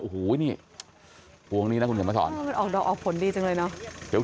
โอ้โหนี่หัวงงี้นะคุณเจมส์มันออกผลดีจังเลย